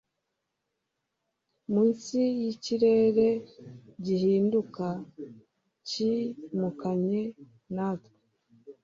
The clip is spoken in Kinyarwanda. munsi yikirere gihinduka cyimukanye natwe